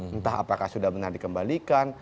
entah apakah sudah benar dikembalikan